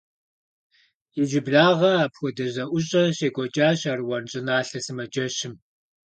Иджыблагъэ апхуэдэ зэӀущӀэ щекӀуэкӀащ Аруан щӀыналъэ сымаджэщым.